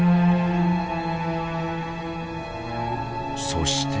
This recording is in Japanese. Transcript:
そして。